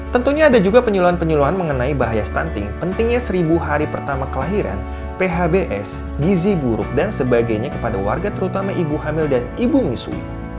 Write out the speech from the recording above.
tentunya ada juga penyuluhan penyuluhan mengenai bahaya stunting pentingnya seribu hari pertama kelahiran phbs gizi buruk dan sebagainya kepada warga terutama ibu hamil dan ibu misu